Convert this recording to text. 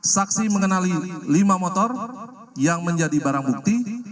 saksi mengenali lima motor yang menjadi barang bukti